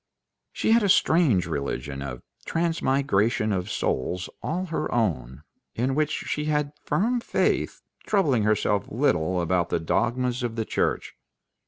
She had a strange religion of transmigration of souls all her own, in which she had firm faith, troubling herself little about the dogmas of the Church.